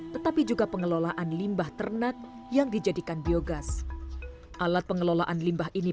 tetapi juga pengelolaan limbah ternak yang dijadikan biogas alat pengelolaan limbah ini